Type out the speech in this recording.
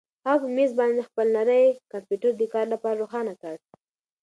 هغه په مېز باندې خپل نری کمپیوټر د کار لپاره روښانه کړ.